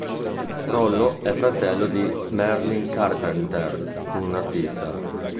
Rollo è fratello di Merlin Carpenter, un artista.